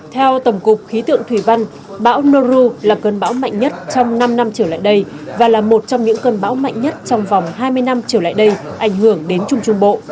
theo tổng cục khí tượng thủy văn bão noru là cơn bão mạnh nhất trong năm năm trở lại đây và là một trong những cơn bão mạnh nhất trong vòng hai mươi năm trở lại đây ảnh hưởng đến trung trung bộ